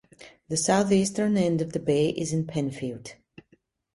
The southeastern end of the bay is in Penfield.